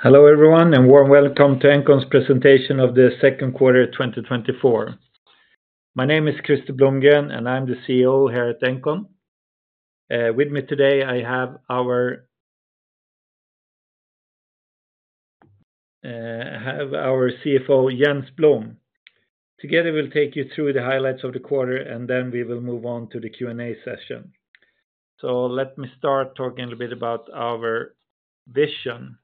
Hello everyone, and warm welcome to Engcon's presentation of the Q2 of 2024. My name is Krister Blomgren, and I'm the CEO here at Engcon. With me today, I have our CFO, Jens Blom. Together, we'll take you through the highlights of the quarter, and then we will move on to the Q&A session. Let me start talking a little bit about our vision.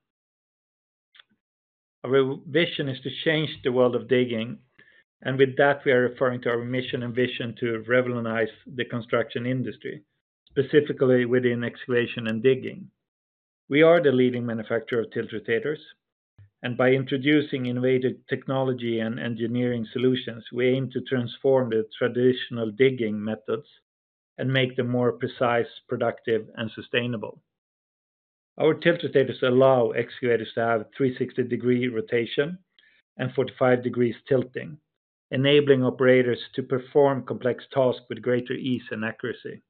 Our vision is to change the world of digging, and with that, we are referring to our mission and vision to revitalize the construction industry, specifically within excavation and digging. We are the leading manufacturer of tiltrotators, and by introducing innovative technology and engineering solutions, we aim to transform the traditional digging methods and make them more precise, productive, and sustainable. Our tiltrotators allow excavators to have 360-degree rotation and 45-degree tilting, enabling operators to perform complex tasks with greater ease and accuracy.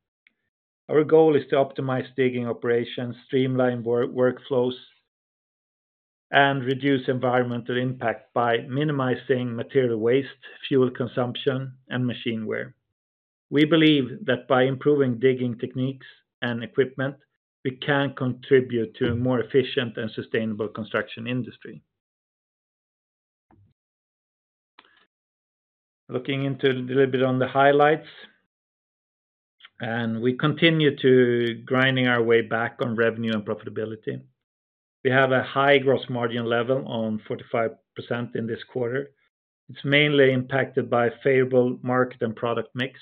Our goal is to optimize digging operations, streamline workflows, and reduce environmental impact by minimizing material waste, fuel consumption, and machine wear. We believe that by improving digging techniques and equipment, we can contribute to a more efficient and sustainable construction industry. Looking into a little bit on the highlights, and we continue to grind our way back on revenue and profitability. We have a high gross margin level on 45% in this quarter. It's mainly impacted by a favorable market and product mix.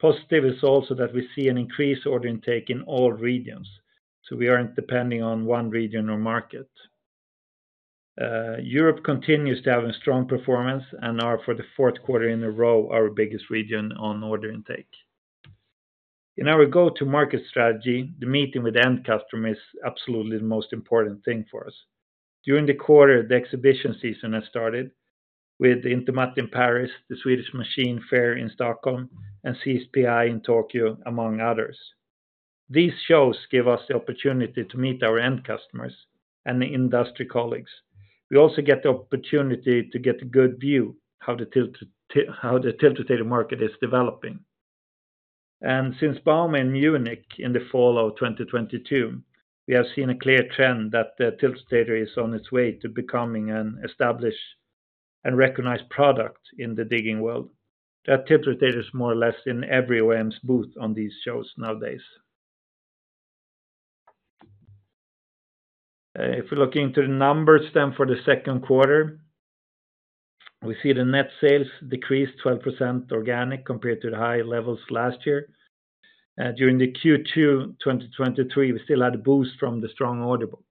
Positive is also that we see an increased order intake in all regions, so we aren't depending on one region or market. Europe continues to have a strong performance and are, for the Q4 in a row, our biggest region on order intake. In our go-to-market strategy, the meeting with the end customer is absolutely the most important thing for us. During the quarter, the exhibition season has started with INTERMAT in Paris, the Swedish Machine Fair in Stockholm, and CSPI in Tokyo, among others. These shows give us the opportunity to meet our end customers and industry colleagues. We also get the opportunity to get a good view of how the tiltrotator market is developing. And since bauma in Munich in the fall of 2022, we have seen a clear trend that the tiltrotator is on its way to becoming an established and recognized product in the digging world. That tiltrotator is more or less in every OEM's booth on these shows nowadays. If we look into the numbers then for the Q2, we see the net sales decrease 12% organic compared to the high levels last year. During the Q2 2023, we still had a boost from the strong order book.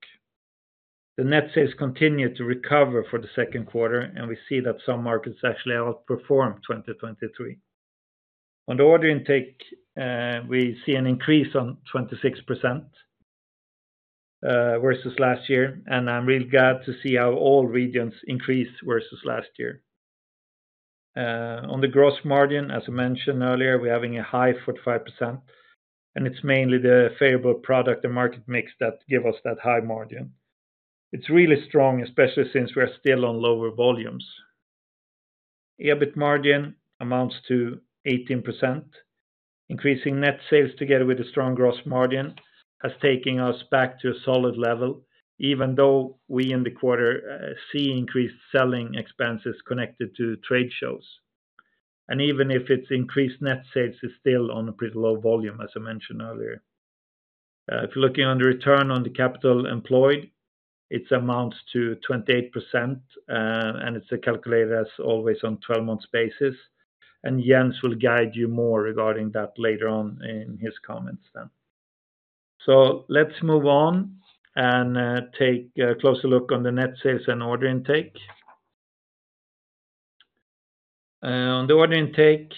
The net sales continue to recover for the Q2, and we see that some markets actually outperformed 2023. On the order intake, we see an increase on 26% versus last year, and I'm really glad to see how all regions increased versus last year. On the gross margin, as I mentioned earlier, we're having a high 45%, and it's mainly the favorable product and market mix that gives us that high margin. It's really strong, especially since we are still on lower volumes. EBIT margin amounts to 18%. Increasing net sales together with a strong gross margin has taken us back to a solid level, even though we in the quarter see increased selling expenses connected to trade shows. Even if it's increased net sales, it's still on a pretty low volume, as I mentioned earlier. If you're looking on the return on the capital employed, it amounts to 28%, and it's calculated as always on a 12-month basis. Jens will guide you more regarding that later on in his comments then. Let's move on and take a closer look on the net sales and order intake. On the order intake,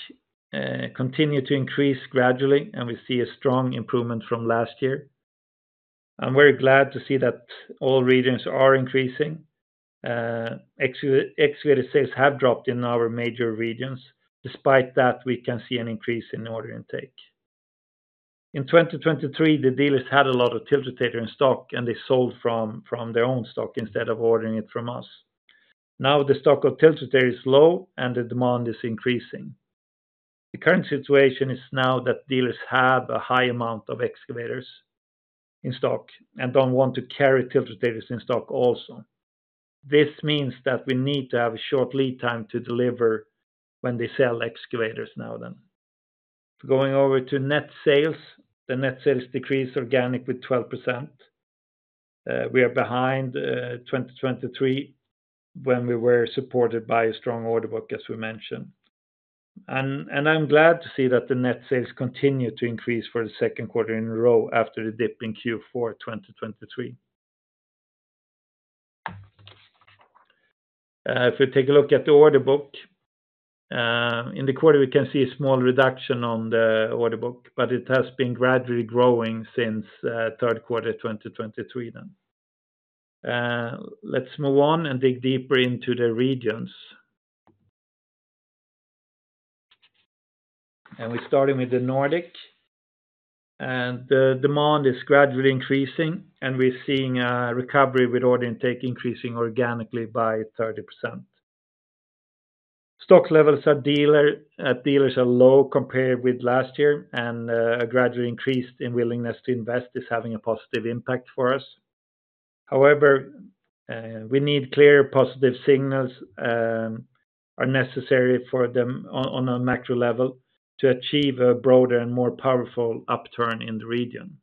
it continues to increase gradually, and we see a strong improvement from last year. I'm very glad to see that all regions are increasing. Excavator sales have dropped in our major regions. Despite that, we can see an increase in order intake. In 2023, the dealers had a lot of tiltrotators in stock, and they sold from their own stock instead of ordering it from us. Now the stock of tiltrotators is low, and the demand is increasing. The current situation is now that dealers have a high amount of excavators in stock and don't want to carry tiltrotators in stock also. This means that we need to have a short lead time to deliver when they sell excavators now then. Going over to net sales, the net sales decreased organically by 12%. We are behind 2023 when we were supported by a strong order book, as we mentioned. I'm glad to see that the net sales continue to increase for the Q2 in a row after the dip in Q4 2023. If we take a look at the order book, in the quarter, we can see a small reduction on the order book, but it has been gradually growing since Q3 2023 then. Let's move on and dig deeper into the regions. We're starting with the Nordic, and the demand is gradually increasing, and we're seeing a recovery with order intake increasing organically by 30%. Stock levels at dealers are low compared with last year, and a gradual increase in willingness to invest is having a positive impact for us. However, we need clear positive signals that are necessary for them on a macro level to achieve a broader and more powerful upturn in the region.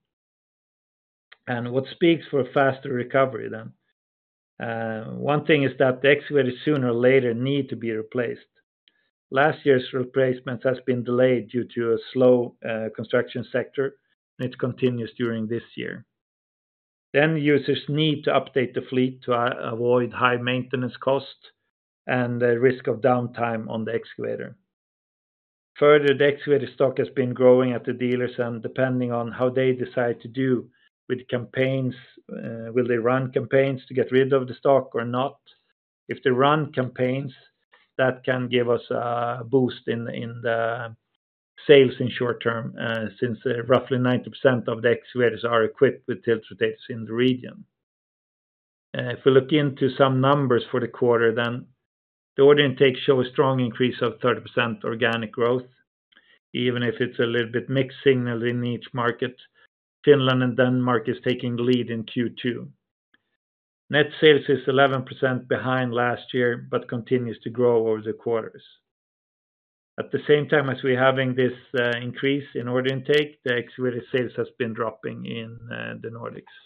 What speaks for a faster recovery then? One thing is that the excavators sooner or later need to be replaced. Last year's replacement has been delayed due to a slow construction sector, and it continues during this year. Then users need to update the fleet to avoid high maintenance costs and the risk of downtime on the excavator. Further, the excavator stock has been growing at the dealers, and depending on how they decide to do with campaigns, will they run campaigns to get rid of the stock or not? If they run campaigns, that can give us a boost in the sales in the short term since roughly 90% of the excavators are equipped with tiltrotators in the region. If we look into some numbers for the quarter then, the order intake shows a strong increase of 30% organic growth, even if it's a little bit mixed signal in each market. Finland and Denmark are taking the lead in Q2. Net sales are 11% behind last year but continue to grow over the quarters. At the same time as we're having this increase in order intake, the excavator sales have been dropping in the Nordics.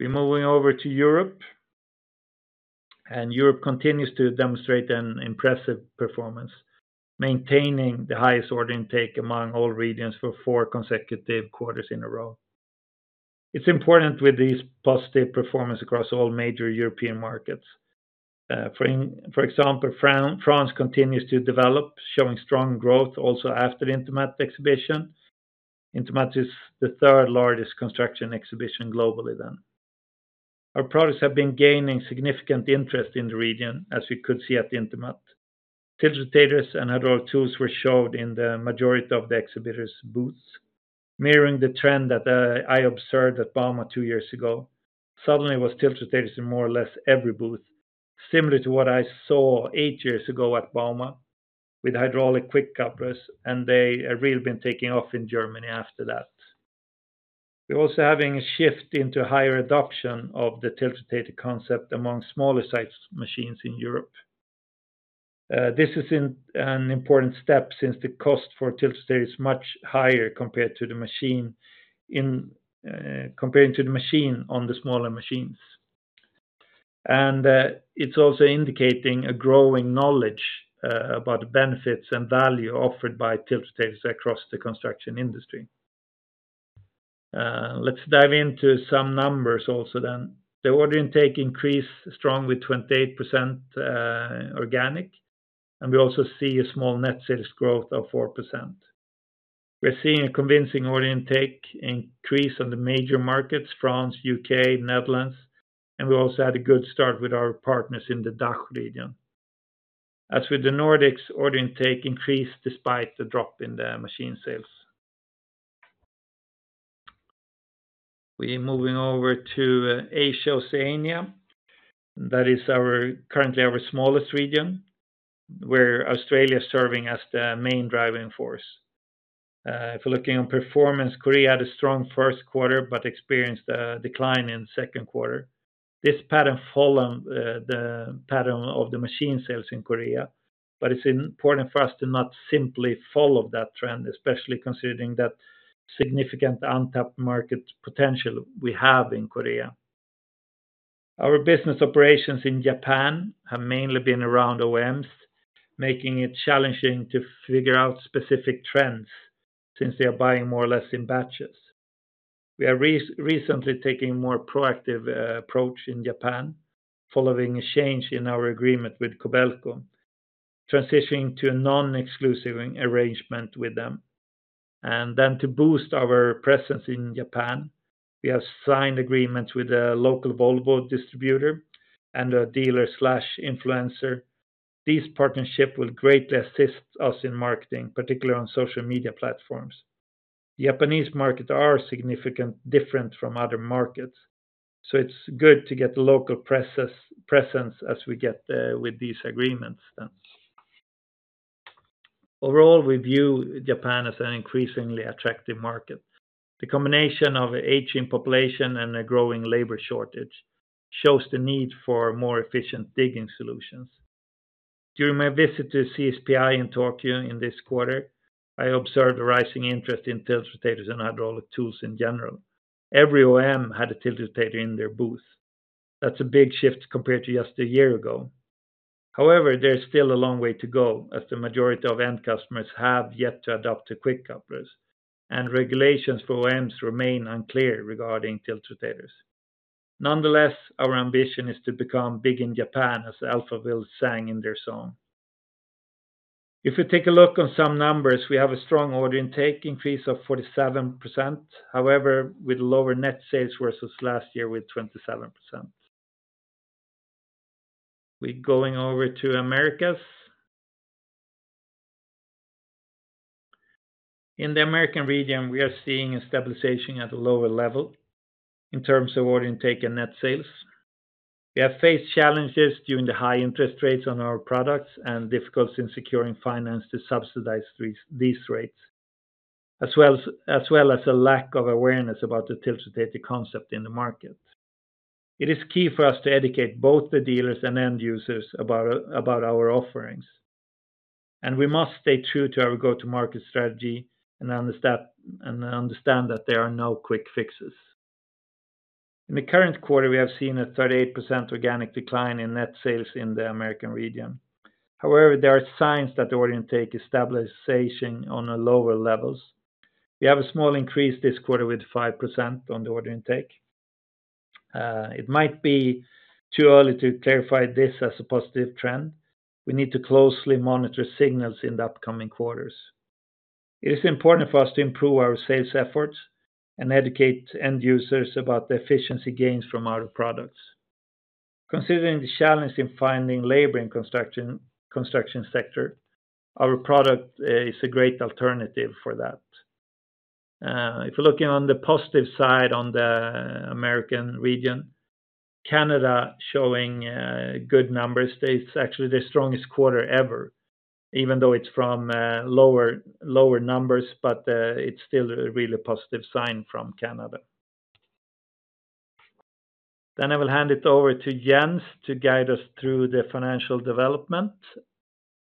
We're moving over to Europe, and Europe continues to demonstrate an impressive performance, maintaining the highest order intake among all regions for four consecutive quarters in a row. It's important with these positive performances across all major European markets. For example, France continues to develop, showing strong growth also after the INTERMAT exhibition. INTERMAT is the third largest construction exhibition globally then. Our products have been gaining significant interest in the region, as we could see at the INTERMAT. Tiltrotators and hydraulic tools were showed in the majority of the exhibitors' booths, mirroring the trend that I observed at bauma two years ago. Suddenly, it was tiltrotators in more or less every booth, similar to what I saw eight years ago at bauma with hydraulic quick couplers, and they have really been taking off in Germany after that. We're also having a shift into a higher adoption of the tiltrotator concept among smaller size machines in Europe. This is an important step since the cost for tiltrotators is much higher compared to the machine on the smaller machines. It's also indicating a growing knowledge about the benefits and value offered by tiltrotators across the construction industry. Let's dive into some numbers also then. The order intake increased strongly by 28% organic, and we also see a small net sales growth of 4%. We're seeing a convincing order intake increase on the major markets: France, the U.K., and the Netherlands. We also had a good start with our partners in the DACH region. As with the Nordics, order intake increased despite the drop in the machine sales. We're moving over to Asia-Oceania. That is currently our smallest region, where Australia is serving as the main driving force. If we're looking on performance, Korea had a strong Q1 but experienced a decline in the Q2. This pattern followed the pattern of the machine sales in Korea, but it's important for us to not simply follow that trend, especially considering that significant untapped market potential we have in Korea. Our business operations in Japan have mainly been around OEMs, making it challenging to figure out specific trends since they are buying more or less in batches. We are recently taking a more proactive approach in Japan, following a change in our agreement with Kobelco, transitioning to a non-exclusive arrangement with them. And then, to boost our presence in Japan, we have signed agreements with a local Volvo distributor and a dealer/influencer. These partnerships will greatly assist us in marketing, particularly on social media platforms. Japanese markets are significantly different from other markets, so it's good to get a local presence as we get with these agreements then. Overall, we view Japan as an increasingly attractive market. The combination of an aging population and a growing labor shortage shows the need for more efficient digging solutions. During my visit to CSPI in Tokyo in this quarter, I observed a rising interest in tilt rotators and hydraulic tools in general. Every OEM had a tilt rotator in their booth. That's a big shift compared to just a year ago. However, there's still a long way to go, as the majority of end customers have yet to adopt the quick couplers, and regulations for OEMs remain unclear regarding tiltrotators. Nonetheless, our ambition is to become big in Japan, as Alphaville sang in their song. If we take a look on some numbers, we have a strong order intake increase of 47%. However, with lower net sales versus last year with 27%. We're going over to Americas. In the American region, we are seeing a stabilization at a lower level in terms of order intake and net sales. We have faced challenges during the high interest rates on our products and difficulties in securing finance to subsidize these rates, as well as a lack of awareness about the tiltrotator concept in the market. It is key for us to educate both the dealers and end users about our offerings. We must stay true to our go-to-market strategy and understand that there are no quick fixes. In the current quarter, we have seen a 38% organic decline in net sales in the Americas. However, there are signs that the order intake stabilization is on lower levels. We have a small increase this quarter with 5% on the order intake. It might be too early to clarify this as a positive trend. We need to closely monitor signals in the upcoming quarters. It is important for us to improve our sales efforts and educate end users about the efficiency gains from our products. Considering the challenge in finding labor in the construction sector, our product is a great alternative for that. If we're looking on the positive side on the American region, Canada is showing good numbers. It's actually the strongest quarter ever, even though it's from lower numbers, but it's still a really positive sign from Canada. Then I will hand it over to Jens to guide us through the financial development.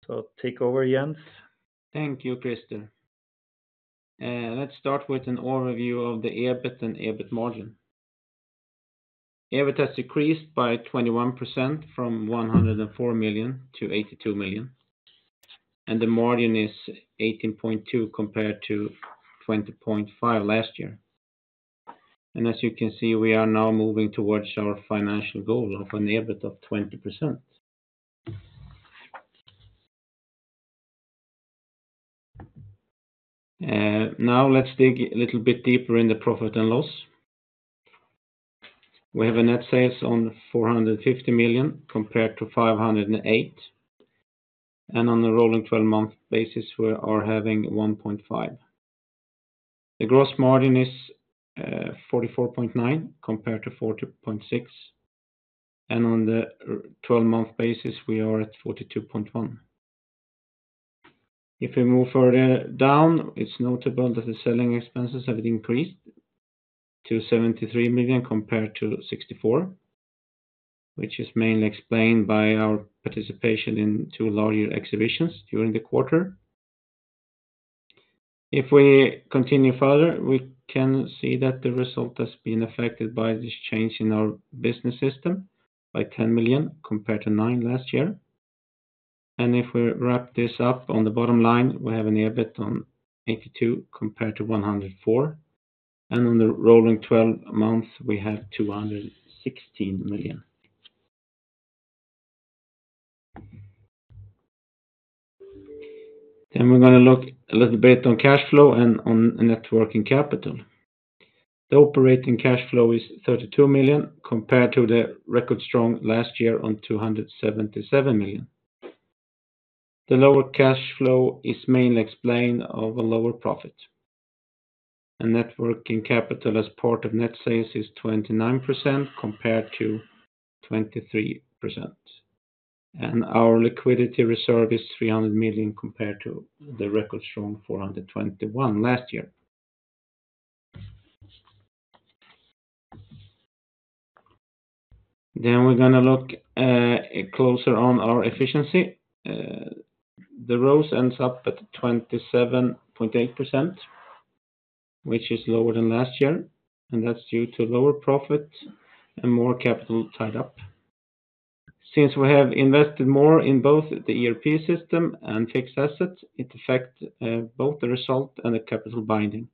So take over, Jens. Thank you, Krister. Let's start with an overview of the EBIT and EBIT margin. EBIT has decreased by 21% from 104 million to 82 million, and the margin is 18.2% compared to 20.5% last year. And as you can see, we are now moving towards our financial goal of an EBIT of 20%. Now let's dig a little bit deeper in the profit and loss. We have net sales of 450 million compared to 508 million, and on a rolling 12-month basis, we are having 1.5. The gross margin is 44.9% compared to 40.6%, and on the 12-month basis, we are at 42.1%. If we move further down, it's notable that the selling expenses have increased to 73 million compared to 64 million, which is mainly explained by our participation in two larger exhibitions during the quarter. If we continue further, we can see that the result has been affected by this change in our business system by 10 million compared to 9 million last year. And if we wrap this up on the bottom line, we have an EBIT of 82 million compared to 104 million, and on the rolling 12 months, we have 216 million. Then we're going to look a little bit on cash flow and on net working capital. The operating cash flow is 32 million compared to the record strong last year on 277 million. The lower cash flow is mainly explained by a lower profit. Net working capital as part of net sales is 29% compared to 23%. Our liquidity reserve is 300 million compared to the record strong 421 million last year. We're going to look closer on our efficiency. The ROCE ends up at 27.8%, which is lower than last year, and that's due to lower profit and more capital tied up. Since we have invested more in both the ERP system and fixed assets, it affects both the result and the capital binding.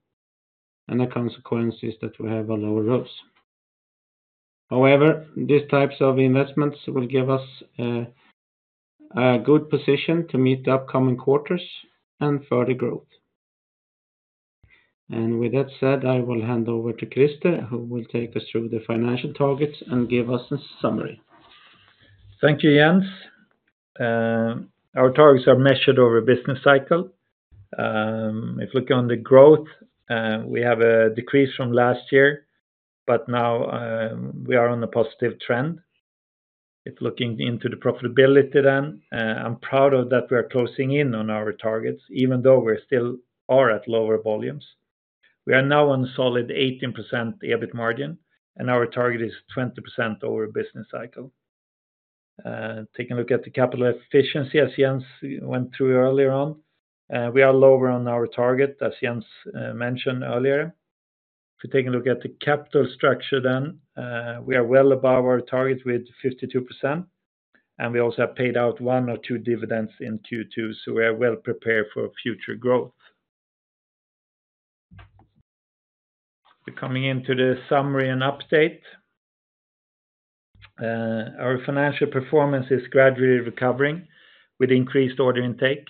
The consequence is that we have a lower ROCE. However, these types of investments will give us a good position to meet the upcoming quarters and further growth. With that said, I will hand over to Krister, who will take us through the financial targets and give us a summary. Thank you, Jens. Our targets are measured over a business cycle. If we look on the growth, we have a decrease from last year, but now we are on a positive trend. If looking into the profitability then, I'm proud that we are closing in on our targets, even though we still are at lower volumes. We are now on a solid 18% EBIT margin, and our target is 20% over a business cycle. Taking a look at the capital efficiency, as Jens went through earlier on, we are lower on our target, as Jens mentioned earlier. If we take a look at the capital structure then, we are well above our target with 52%, and we also have paid out one or two dividends in Q2, so we are well prepared for future growth. We're coming into the summary and update. Our financial performance is gradually recovering with increased order intake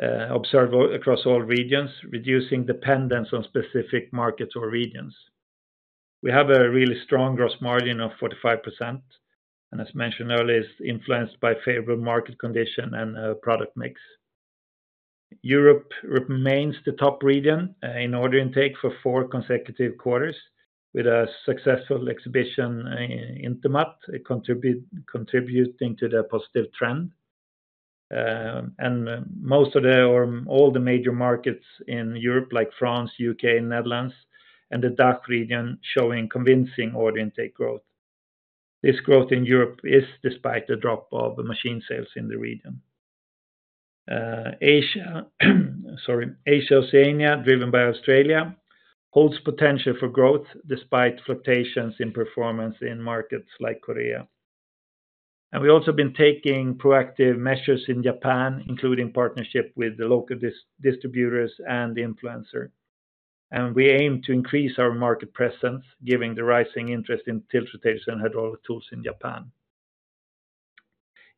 observed across all regions, reducing dependence on specific markets or regions. We have a really strong gross margin of 45%, and as mentioned earlier, it's influenced by favorable market conditions and product mix. Europe remains the top region in order intake for four consecutive quarters, with a successful exhibition in INTERMAT, contributing to the positive trend. Most of the or all the major markets in Europe, like France, the U.K., and the Netherlands, and the DACH region, showing convincing order intake growth. This growth in Europe is despite the drop of machine sales in the region. Asia-Oceania, driven by Australia, holds potential for growth despite fluctuations in performance in markets like Korea. We've also been taking proactive measures in Japan, including partnership with the local distributors and influencers. We aim to increase our market presence, given the rising interest in tiltrotators and hydraulic tools in Japan.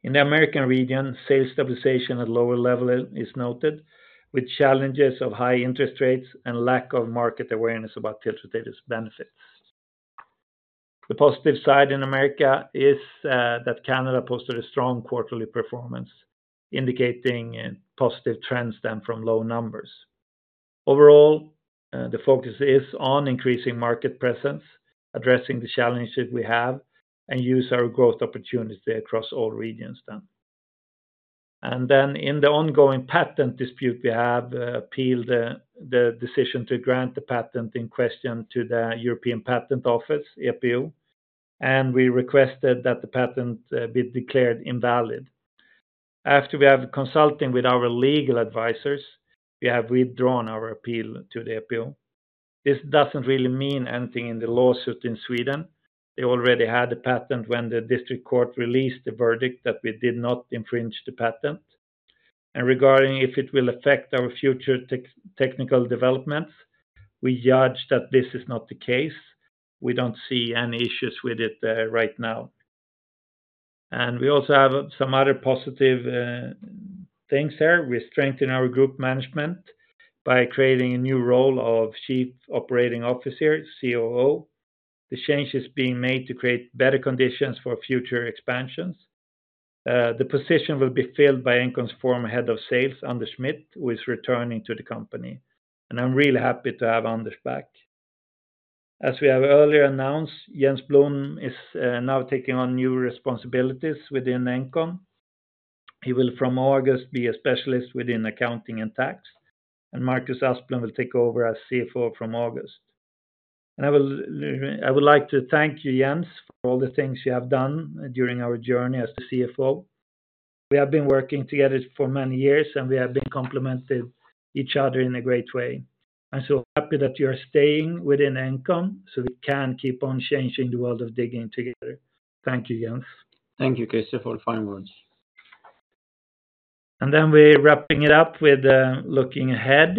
In the American region, sales stabilization at lower levels is noted, with challenges of high interest rates and lack of market awareness about tiltrotators' benefits. The positive side in America is that Canada posted a strong quarterly performance, indicating positive trends then from low numbers. Overall, the focus is on increasing market presence, addressing the challenges we have, and using our growth opportunity across all regions then. In the ongoing patent dispute, we have appealed the decision to grant the patent in question to the European Patent Office, EPO, and we requested that the patent be declared invalid. After we have consulted with our legal advisors, we have withdrawn our appeal to the EPO. This doesn't really mean anything in the lawsuit in Sweden. They already had the patent when the district court released the verdict that we did not infringe the patent. Regarding if it will affect our future technical developments, we judge that this is not the case. We don't see any issues with it right now. We also have some other positive things there. We strengthen our group management by creating a new role of Chief Operating Officer, COO. The change is being made to create better conditions for future expansions. The position will be filled by engcon's former head of sales, Anders Smith, who is returning to the company. I'm really happy to have Anders back. As we have earlier announced, Jens Blom is now taking on new responsibilities within engcon. He will, from August, be a specialist within accounting and tax, and Marcus Asplund will take over as CFO from August. I would like to thank you, Jens, for all the things you have done during our journey as the CFO. We have been working together for many years, and we have been complementing each other in a great way. I'm so happy that you are staying within engcon so we can keep on changing the world of digging together. Thank you, Jens. Thank you, Krister, for the fine words. Then we're wrapping it up with looking ahead.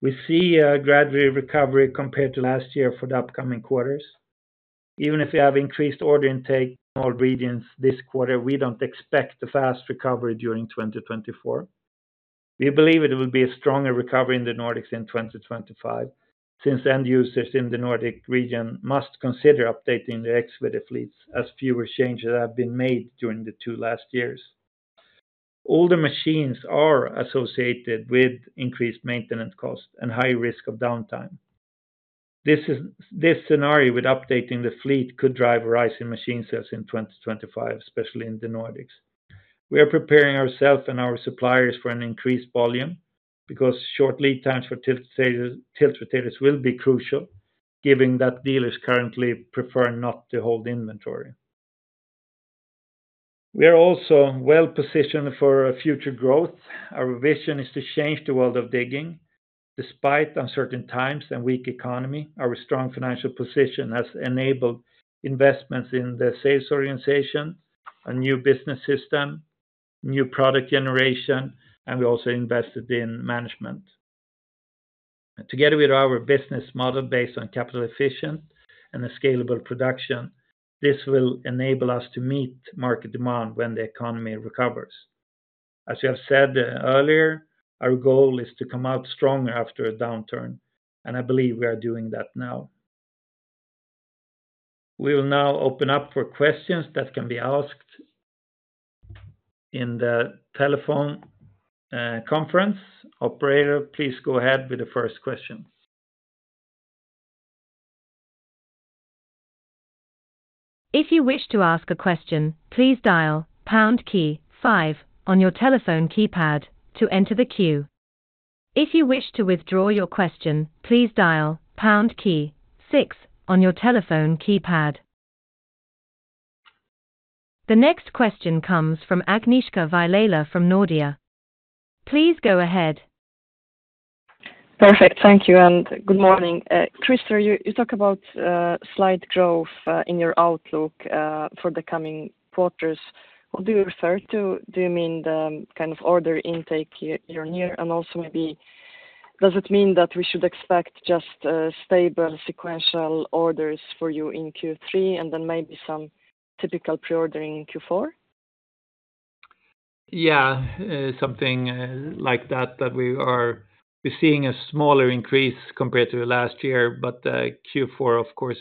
We see a gradual recovery compared to last year for the upcoming quarters. Even if we have increased order intake in all regions this quarter, we don't expect a fast recovery during 2024. We believe it will be a stronger recovery in the Nordics in 2025, since end users in the Nordic region must consider updating their excavator fleets as fewer changes have been made during the two last years. All the machines are associated with increased maintenance costs and high risk of downtime. This scenario with updating the fleet could drive a rise in machine sales in 2025, especially in the Nordics. We are preparing ourselves and our suppliers for an increased volume because short lead times for tiltrotators will be crucial, given that dealers currently prefer not to hold inventory. We are also well positioned for future growth. Our vision is to change the world of digging. Despite uncertain times and a weak economy, our strong financial position has enabled investments in the sales organization, a new business system, new product generation, and we also invested in management. Together with our business model based on capital efficient and scalable production, this will enable us to meet market demand when the economy recovers. As we have said earlier, our goal is to come out stronger after a downturn, and I believe we are doing that now. We will now open up for questions that can be asked in the telephone conference. Operator, please go ahead with the first question. If you wish to ask a question, please dial #five on your telephone keypad to enter the queue. If you wish to withdraw your question, please dial #six on your telephone keypad. The next question comes from Agnieszka Vilela from Nordea. Please go ahead. Perfect. Thank you, and good morning. Krister, you talk about slight growth in your outlook for the coming quarters. What do you refer to? Do you mean the kind of order intake you're near? And also, maybe does it mean that we should expect just stable sequential orders for you in Q3 and then maybe some typical pre-ordering in Q4? Yeah, something like that, that we are seeing a smaller increase compared to last year, but Q4, of course,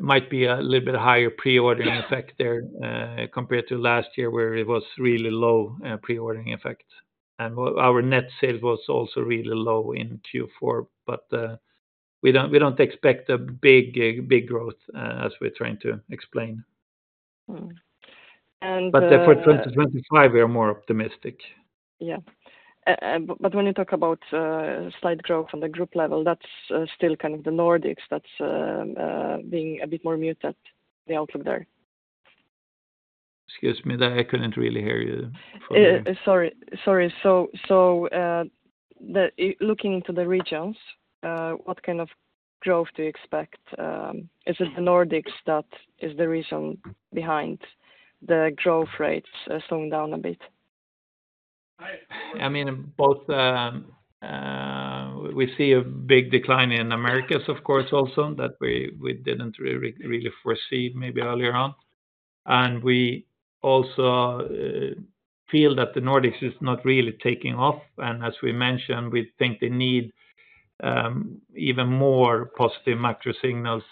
might be a little bit higher pre-ordering effect there compared to last year where it was really low pre-ordering effect. And our net sales was also really low in Q4, but we don't expect a big growth as we're trying to explain. But for 2025, we are more optimistic. Yeah. But when you talk about slight growth on the group level, that's still kind of the Nordics that's being a bit more muted, the outlook there. Excuse me, I couldn't really hear you. Sorry. Sorry. So looking into the regions, what kind of growth do you expect? Is it the Nordics that is the reason behind the growth rates slowing down a bit? I mean, both. We see a big decline in Americas, of course, also that we didn't really foresee maybe earlier on. And we also feel that the Nordics is not really taking off. And as we mentioned, we think they need even more positive macro signals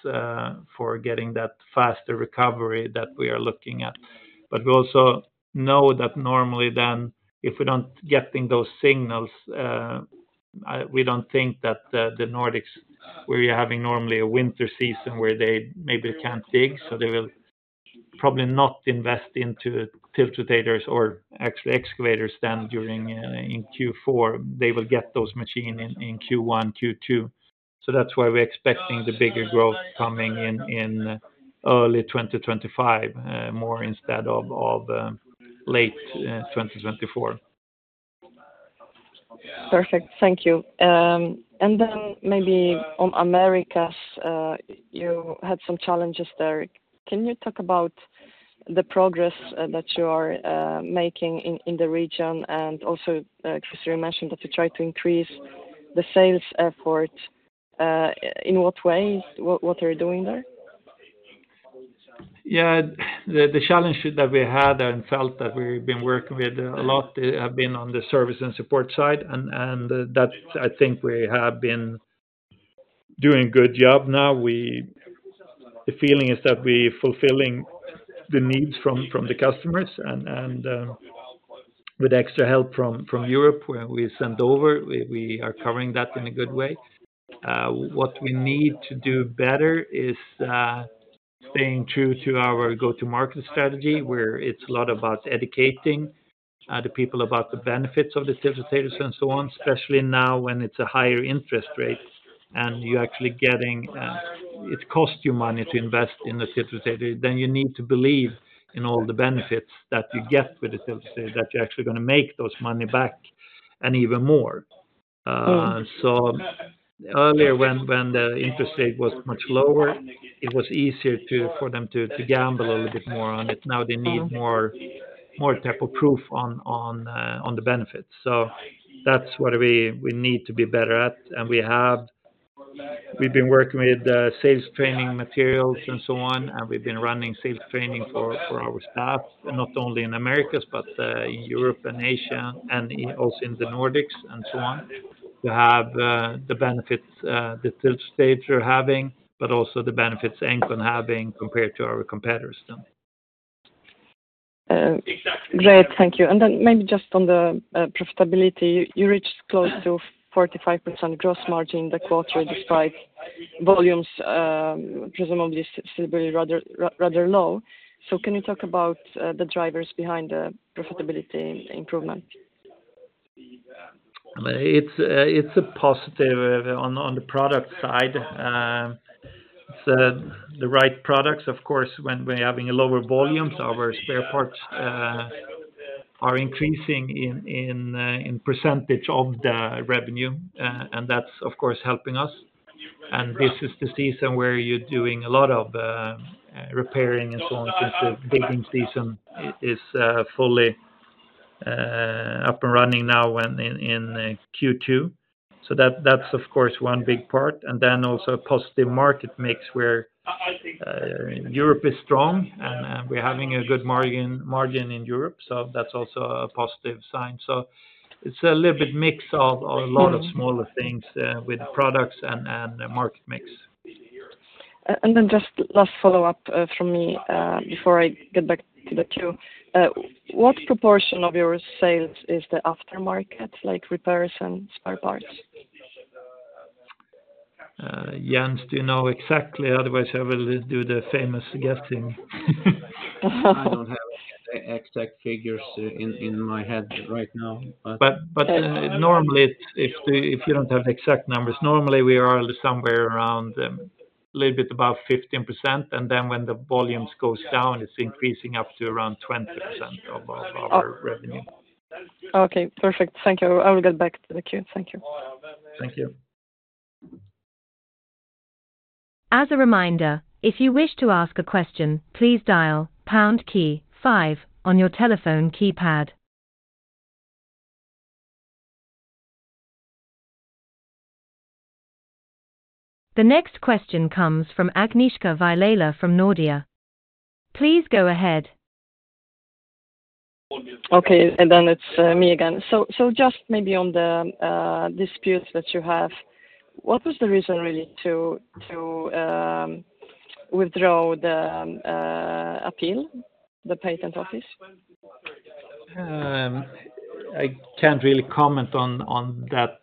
for getting that faster recovery that we are looking at. But we also know that normally then if we don't get those signals, we don't think that the Nordics, where you're having normally a winter season where they maybe can't dig, so they will probably not invest into tiltrotators or actually excavators then during Q4. They will get those machines in Q1, Q2. So that's why we're expecting the bigger growth coming in early 2025, more instead of late 2024. Perfect. Thank you. Then maybe on Americas, you had some challenges there. Can you talk about the progress that you are making in the region? And also, Krister, you mentioned that you try to increase the sales effort. In what way? What are you doing there? Yeah. The challenge that we had and felt that we've been working with a lot have been on the service and support side. And that's, I think, we have been doing a good job now. The feeling is that we're fulfilling the needs from the customers. And with extra help from Europe where we send over, we are covering that in a good way. What we need to do better is staying true to our go-to-market strategy, where it's a lot about educating the people about the benefits of the tiltrotators and so on, especially now when it's a higher interest rate and you're actually getting it costs you money to invest in the tiltrotator, then you need to believe in all the benefits that you get with the tiltrotator, that you're actually going to make those money back and even more. So earlier, when the interest rate was much lower, it was easier for them to gamble a little bit more on it. Now they need more type of proof on the benefits. So that's what we need to be better at. And we've been working with sales training materials and so on, and we've been running sales training for our staff, not only in Americas but in Europe and Asia and also in the Nordics and so on, to have the benefits the tiltrotators are having, but also the benefits engcon is having compared to our competitors then. Great. Thank you. And then maybe just on the profitability, you reached close to 45% gross margin in the quarter despite volumes presumably still rather low. So can you talk about the drivers behind the profitability improvement? It's a positive on the product side. It's the right products, of course. When we're having lower volumes, our spare parts are increasing in percentage of the revenue, and that's, of course, helping us. This is the season where you're doing a lot of repairing and so on since the digging season is fully up and running now in Q2. So that's, of course, one big part. And then also a positive market mix where Europe is strong and we're having a good margin in Europe. So that's also a positive sign. So it's a little bit mix of a lot of smaller things with products and market mix. And then just last follow-up from me before I get back to the queue. What proportion of your sales is the aftermarket, like repairs and spare parts? Jens, do you know exactly? Otherwise, I will do the famous guessing. I don't have the exact figures in my head right now. But normally, if you don't have the exact numbers, normally we are somewhere around a little bit above 15%. And then when the volumes go down, it's increasing up to around 20% of our revenue. Okay. Perfect. Thank you. I will get back to the queue. Thank you. Thank you. As a reminder, if you wish to ask a question, please dial #five on your telephone keypad. The next question comes from Agnieszka Vilela from Nordea. Please go ahead. Okay. And then it's me again. So just maybe on the disputes that you have, what was the reason really to withdraw the appeal, the patent office? I can't really comment on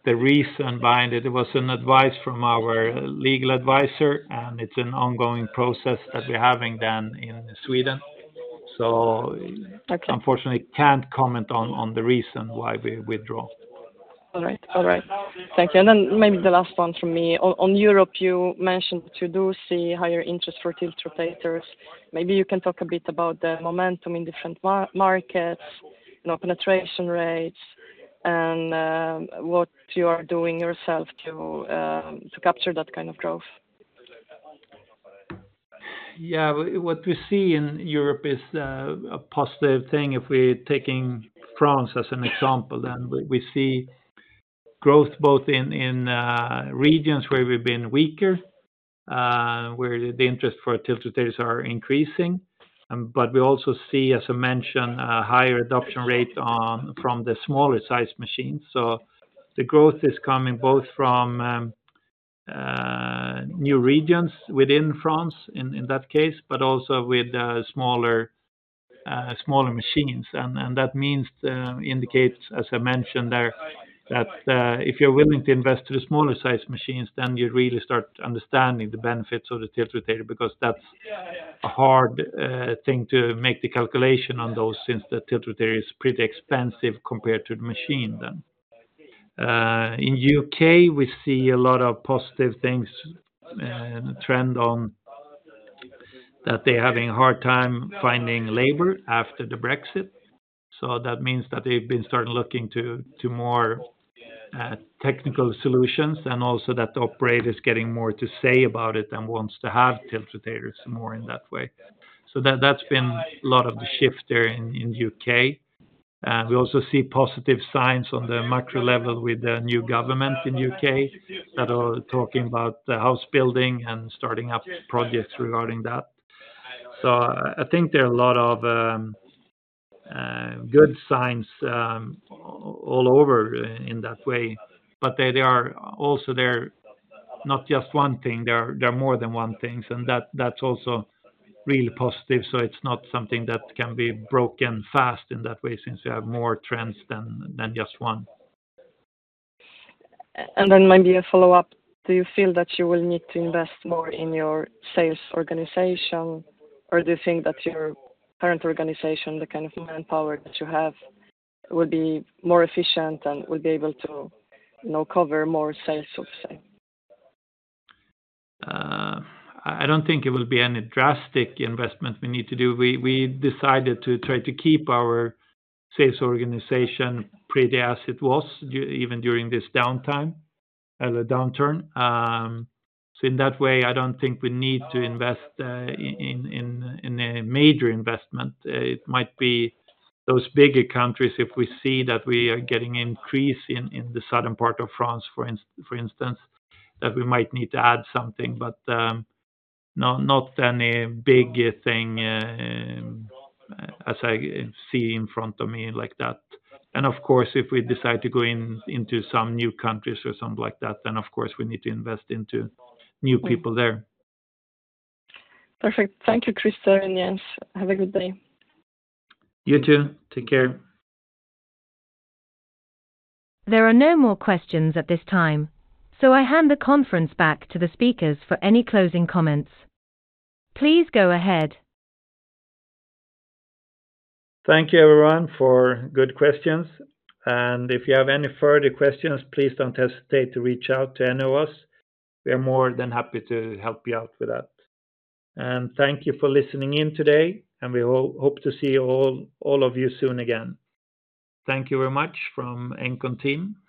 the reason behind it. It was an advice from our legal advisor, and it's an ongoing process that we're having then in Sweden. So unfortunately, I can't comment on the reason why we withdraw. All right. Thank you. And then maybe the last one from me. On Europe, you mentioned that you do see higher interest for tiltrotators. Maybe you can talk a bit about the momentum in different markets, penetration rates, and what you are doing yourself to capture that kind of growth. Yeah. What we see in Europe is a positive thing. If we're taking France as an example, then we see growth both in regions where we've been weaker, where the interest for tiltrotators are increasing. But we also see, as I mentioned, a higher adoption rate from the smaller-sized machines. So the growth is coming both from new regions within France, in that case, but also with smaller machines. That means, indicates, as I mentioned there, that if you're willing to invest in the smaller-sized machines, then you really start understanding the benefits of the tiltrotator because that's a hard thing to make the calculation on those since the tiltrotator is pretty expensive compared to the machine then. In the U.K., we see a lot of positive things trend on that they're having a hard time finding labor after the Brexit. So that means that they've been starting looking to more technical solutions and also that the operator is getting more to say about it and wants to have tiltrotators more in that way. So that's been a lot of the shift there in the U.K. We also see positive signs on the macro level with the new government in the U.K. that are talking about the house building and starting up projects regarding that. So I think there are a lot of good signs all over in that way. But they are also there not just one thing. There are more than one things. And that's also really positive. So it's not something that can be broken fast in that way since we have more trends than just one. And then maybe a follow-up. Do you feel that you will need to invest more in your sales organization, or do you think that your current organization, the kind of manpower that you have, will be more efficient and will be able to cover more sales, so to say? I don't think it will be any drastic investment we need to do. We decided to try to keep our sales organization pretty as it was even during this downturn. So in that way, I don't think we need to invest in a major investment. It might be those bigger countries if we see that we are getting an increase in the southern part of France, for instance, that we might need to add something. But not any big thing as I see in front of me like that. And of course, if we decide to go into some new countries or something like that, then of course we need to invest into new people there. Perfect. Thank you, Krister and Jens. Have a good day. You too. Take care. There are no more questions at this time, so I hand the conference back to the speakers for any closing comments. Please go ahead. Thank you, everyone, for good questions. And if you have any further questions, please don't hesitate to reach out to any of us. We are more than happy to help you out with that. Thank you for listening in today, and we hope to see all of you soon again. Thank you very much from engcon team.